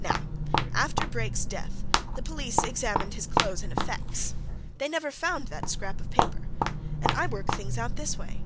Now, after Brake's death, the police examined his clothes and effects they never found that scrap of paper! And I work things out this way.